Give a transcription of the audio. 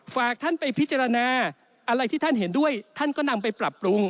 ฝากท่านไปพิจารณาอะไรที่ท่านเห็นด้วยท่านก็นำไปปรับปรุง